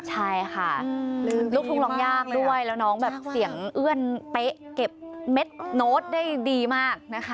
ใช่ค่ะลูกทุ่งร้องยากด้วยแล้วน้องแบบเสียงเอื้อนเป๊ะเก็บเม็ดโน้ตได้ดีมากนะคะ